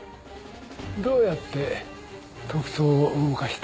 どうやって特捜を動かした？